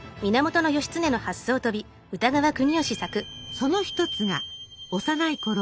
その一つが幼いころ